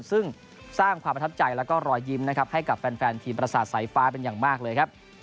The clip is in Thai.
ซึ่งสร้างความประทับใจและรอยยิ้มให้กับแฟนทีมประศาสตร์สายฟ้าเป็นอย่างมากเลย